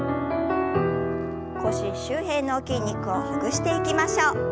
腰周辺の筋肉をほぐしていきましょう。